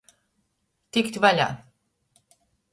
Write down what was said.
Tikt vaļā.